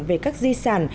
về các di sản